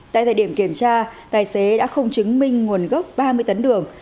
tại thời điểm kiểm tra tài xế đã không chứng minh nguồn gốc ba mươi tấn đường